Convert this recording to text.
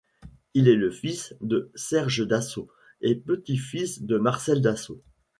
Il est le fils de Serge Dassault, et petit-fils de Marcel Dassault.